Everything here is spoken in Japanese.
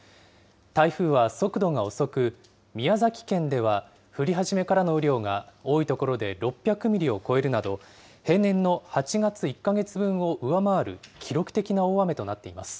台風は速度が遅く、宮崎県では降り始めからの雨量が多い所で６００ミリを超えるなど、平年の８月１か月分を上回る記録的な大雨となっています。